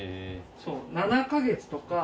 そう７か月とか。